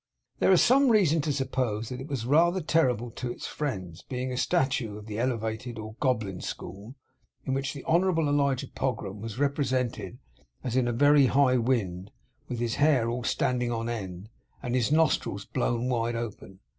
There is some reason to suppose that it was rather terrible to its friends; being a statue of the Elevated or Goblin School, in which the Honourable Elijah Pogram was represented as in a very high wind, with his hair all standing on end, and his nostrils blown wide open.